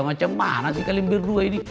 macam mana sih kalian berdua ini